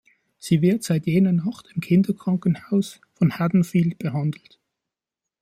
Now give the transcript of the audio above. Sie wird seit jener Nacht im Kinderkrankenhaus von Haddonfield behandelt.